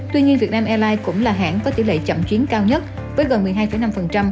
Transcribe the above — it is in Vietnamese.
tuy nhiên việt nam airlines cũng là hãng có tỷ lệ chậm chuyến cao nhất với gần một mươi hai năm